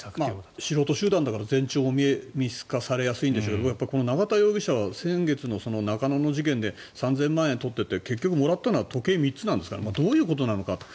素人集団から前兆を見透かされやすいんですが永田容疑者は中野の事件で３０００万円を奪って結局もらったのは時計３つなのでどういうことなのか。